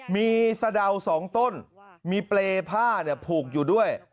มีสะดาวสองต้นมีเปลพ่าพูกอยู่ด้วย